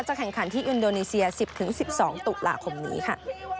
จะแข่งขันที่อินโดนีเซียสิบถึงสิบสองตุลาคมนี้ค่ะ